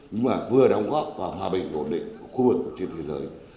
nhưng mà vừa đóng góp vào hòa bình tổn định của khu vực trên thế giới